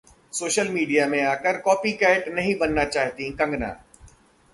social media में आकर 'copy cat' नहीं बनना चाहती कंगना